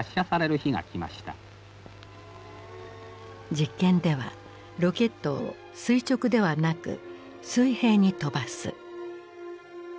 実験ではロケットを垂直ではなく水平に飛ばす。